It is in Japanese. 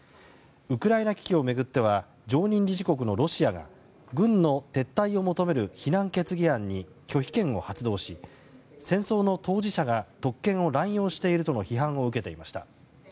ウクライナ危機を巡っては常任理事国のロシアが軍の撤退を求める非難決議案に拒否権を発動し戦争の当事者が特権を乱用しているとの批判を受けていました。